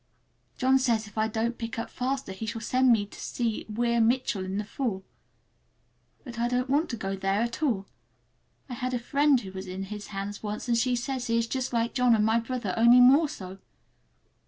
John says if I don't pick up faster he shall send me to Weir Mitchell in the fall. But I don't want to go there at all. I had a friend who was in his hands once, and she says he is just like John and my brother, only more so!